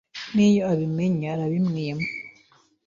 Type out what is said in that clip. n’iyo abimenye arabimwima